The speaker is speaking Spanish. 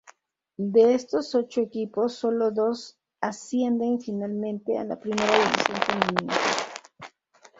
De estos ocho equipos, sólo dos ascienden finalmente a la Primera División Femenina.